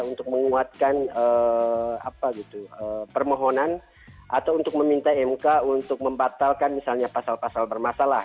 untuk menguatkan permohonan atau untuk meminta mk untuk membatalkan misalnya pasal pasal bermasalah